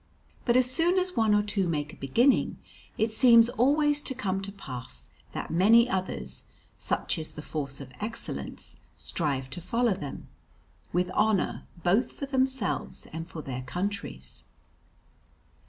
But as soon as one or two make a beginning, it seems always to come to pass that many others such is the force of excellence strive to follow them, with honour both for themselves and for their countries.